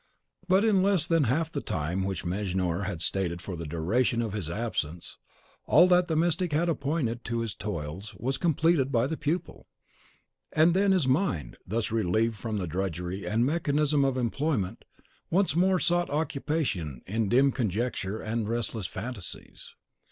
But in less than half the time which Mejnour had stated for the duration of his absence, all that the mystic had appointed to his toils was completed by the pupil; and then his mind, thus relieved from the drudgery and mechanism of employment, once more sought occupation in dim conjecture and restless fancies.